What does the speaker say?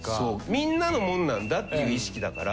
みんなのもんなんだっていう意識だから。